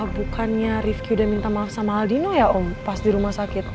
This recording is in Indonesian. bukannya rifqi udah minta maaf sama aldino ya om pas di rumah sakit